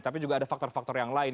tapi juga ada faktor faktor yang lain